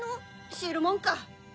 しるもんか！